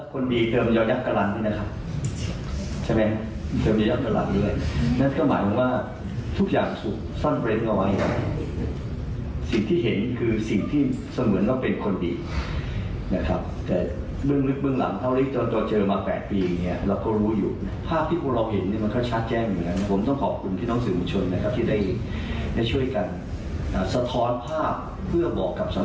คุณหมอเราคงต้องช่วยกันเนี่ยครับ